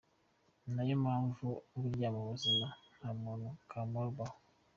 Ninayo mpamvu burya mubuzima nta muntu kamara ubaho.